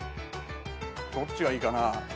どっちがいいかな。